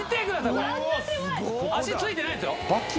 これ足ついてないんですよ